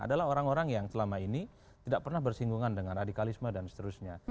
adalah orang orang yang selama ini tidak pernah bersinggungan dengan radikalisme dan seterusnya